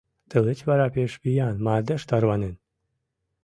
Тылеч вара пеш виян мардеж тарванен.